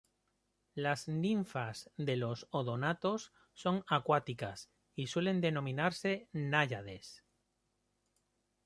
Las ninfas de los odonatos son acuáticas y suelen denominarse náyades.